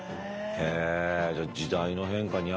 へえ。